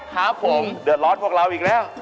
ครับผมเดือดร้อนพวกเราอีกแล้ว